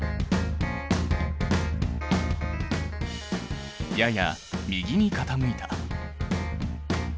やや右に傾いた。